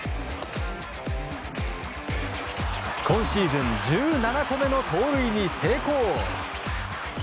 今シーズン１７個目の盗塁に成功。